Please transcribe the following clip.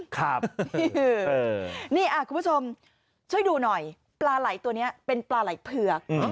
ครับนี่คุณผู้ชมช่วยดูหน่อยปลาไหล่ตัวนี้เป็นปลาไหล่เผือก